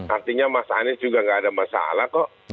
artinya mas anies juga nggak ada masalah kok